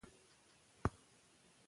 ملالۍ په جګړه کې برخه اخیستې.